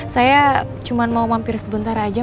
saya cuma mau mampir sebentar aja